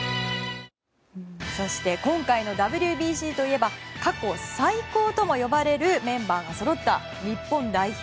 そして今回のＷＢＣといえば過去最高とも呼ばれるメンバーがそろった日本代表。